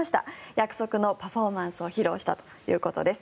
約束のパフォーマンスを披露したということです。